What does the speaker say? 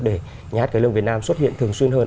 để nhà hát cải lương việt nam xuất hiện thường xuyên hơn